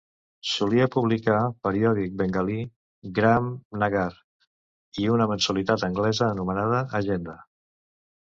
Solia publicar periòdic bengalí "Gram-Nagar" i una mensualitat anglesa anomenada "Agenda".